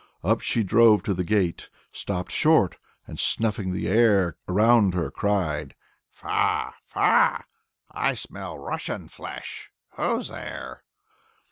Up she drove to the gate, stopped short, and, snuffing the air around her, cried: "Faugh! Faugh! I smell Russian flesh! Who's there?"